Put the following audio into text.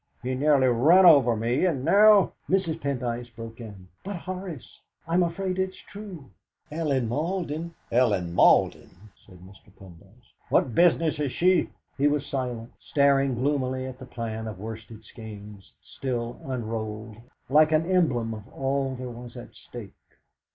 He nearly ran over me, and now " Mrs. Pendyce broke in: "But, Horace, I'm afraid it's true! Ellen Malden " "Ellen Malden?" said Mr. Pendyce. "What business has she " He was silent, staring gloomily at the plan of Worsted Skeynes, still unrolled, like an emblem of all there was at stake.